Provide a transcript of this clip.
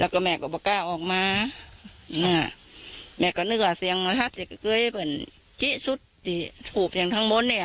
แล้วก็แม่ก็ไม่กล้าออกมาน่ะแม่ก็นึกว่าเสียงมรรทัศน์ที่ก็เคยเป็นจิ๊กชุดที่ถูกอย่างทั้งหมดเนี่ย